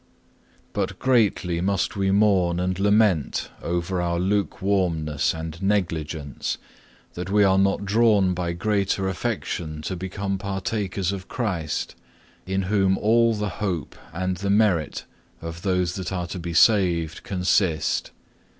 12. But greatly must we mourn and lament over our lukewarmness and negligence, that we are not drawn by greater affection to become partakers of Christ, in whom all the hope and the merit of those that are to be saved consist.